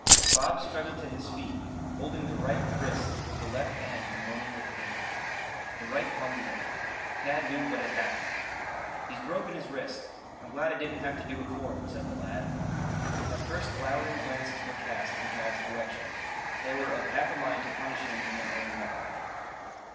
Bob struggled to his feet, holding the right wrist with the left hand and moaning with pain. The right hung limp. Tad knew what had happened. "He's broken his wrist. I'm glad I didn't have to do it for him," said the lad. At first glowering glances were cast in Tad's direction. They were of half a mind to punish him in their own way.